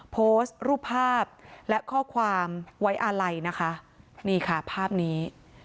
โพสต์รูปภาพและข้อความไว้อาลัยนะคะนี่ค่ะภาพนี้